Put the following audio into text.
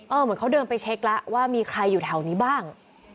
เหมือนเขาเดินไปเช็คแล้วว่ามีใครอยู่แถวนี้บ้าง